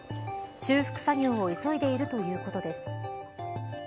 修復作業を急いでいるということです。